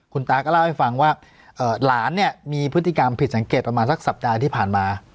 คุณตาก็เล่าให้ฟังว่าหลานเนี่ยมีพฤติกรรมผิดสังเกตประมาณสักสัปดาห์ที่ผ่านมา